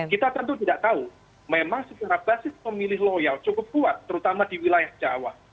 kita tentu tidak tahu memang secara basis pemilih loyal cukup kuat terutama di wilayah jawa